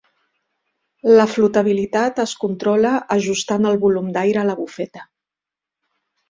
La flotabilitat es controla ajustant el volum d"aire a la bufeta.